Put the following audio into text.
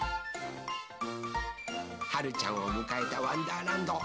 はるちゃんをむかえた「わんだーらんど」